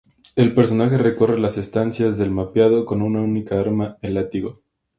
El personaje recorre las estancias del mapeado con una única arma, el látigo.